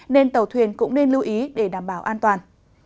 nên tàu thuyền cũng nên lưu ý để đảm bảo an toàn